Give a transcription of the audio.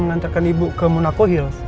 menantarkan ibu ke munaco hill